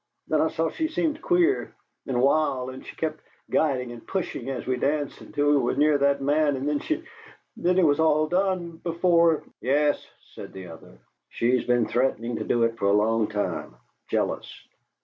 Then I saw she seemed queer and wild, and she kept guiding and pushing as we danced until we were near that man and then she then it was all done before " "Yes," said the other; "she's been threatening to do it for a long time. Jealous.